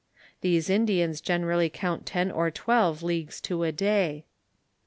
(These Indians generally count ten or twelve leagues to a day.)